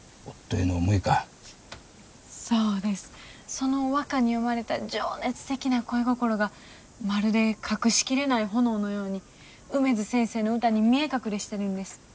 その和歌に詠まれた情熱的な恋心がまるで隠しきれない炎のように梅津先生の歌に見え隠れしてるんです。